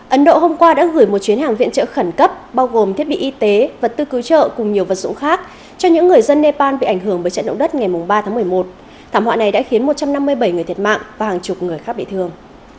ấn độ hôm qua đã gửi một chuyến hàng viện trợ khẩn cấp bao gồm thiết bị y tế vật tư cứu trợ cùng nhiều vật dụng khác cho những người dân nepal bị ảnh hưởng bởi trận động đất ngày ba tháng một mươi một thảm họa này đã khiến một trăm năm mươi bảy người thiệt mạng và hàng chục người khác bị thương